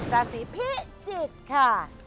ราสีพิสิทธิ์ค่ะ